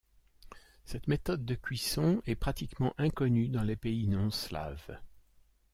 Cette méthode de cuisson est pratiquement inconnue dans les pays non slaves.